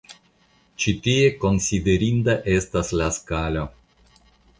Ĉi tie konsiderinda estas la skalo.